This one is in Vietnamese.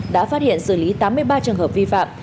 đã phát hiện xử lý tám mươi ba trường hợp vi phạm